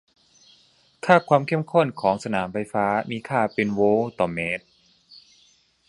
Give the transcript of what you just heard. ค่าความเข้มข้นของสนามไฟฟ้ามีค่าเป็นโวลต์ต่อเมตร